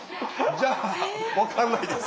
じゃあ分かんないです！